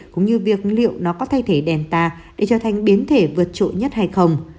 cũng như việc liệu nó có thay thế delta để trở thành biến thể vượt trội nhất hay không